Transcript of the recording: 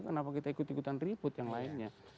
kenapa kita ikut ikutan ribut yang lainnya